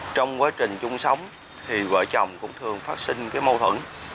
trong quá trình chung sống thì vợ chồng cũng thường phát sinh mâu thuẫn